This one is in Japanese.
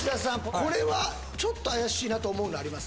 これはちょっと怪しいなと思うのあります？